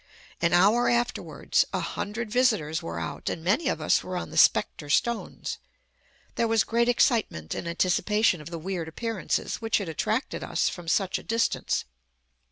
An hour afterwards, a hundred visitors were out, and many of us were on the "spectre" stones. There was great excitement in anticipation of the weird appearances, which had attracted us from such a distance.